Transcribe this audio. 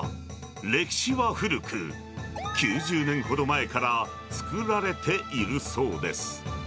歴史は古く、９０年ほど前から作られているそうです。